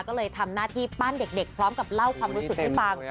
ก็เลยทำหน้าที่ปั้นเด็กพร้อมกับเล่าความรู้สึกให้ฟัง